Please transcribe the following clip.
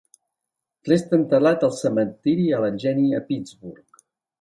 Resta enterrat al cementiri Allegheny, a Pittsburgh.